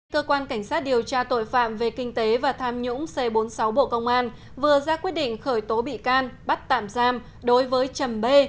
cơ quan cảnh sát điều tra tội phạm về kinh tế và tham nhũng c bốn mươi sáu bộ công an vừa ra quyết định khởi tố bị can bắt tạm giam đối với chầm bê